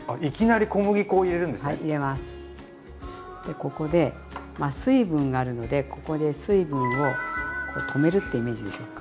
ここで水分があるのでここで水分を止めるってイメージでしょうか。